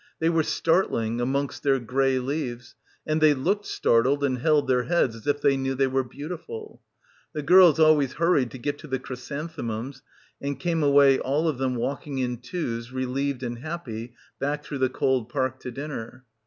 They were startling, amongst their grey leaves; and they looked startled and held their heads as if they knew they were beauti ful. The girls always hurried to get to the — 281 — PILGRIMAGE chrysanthemums and came away all of them walking in twos relieved and happy back through the cold park to dinner.